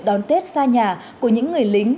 đón tết xa nhà của những người lính